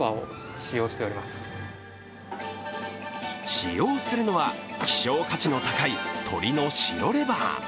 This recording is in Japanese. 使用するのは希少価値の高い鶏の白レバー。